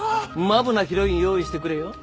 まぶなヒロイン用意してくれよ。